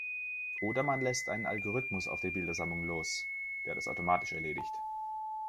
Oder man lässt einen Algorithmus auf die Bildersammlung los, der das automatisch erledigt.